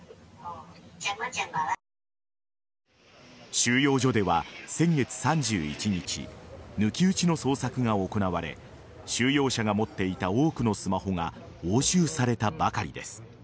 収容所では先月３１日抜き打ちの捜索が行われ収容者が持っていた多くのスマホが押収されたばかりです。